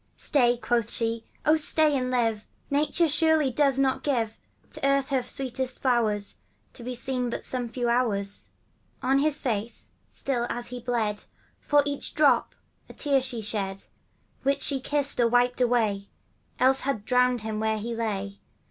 * Stay,' quoth she, ' Oh, stay and live! Nature, surely, doth not givo To the earth her sweetest flowers, To be seen but some few hours.' On his face, still as he bled, For each drop a tear she shed, Which she kissed or wiped away, Else had drowned him where he lay.